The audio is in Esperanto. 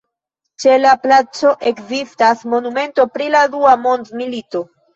Ĉe la placo ekzistas monumento pri la Dua Mondmilito.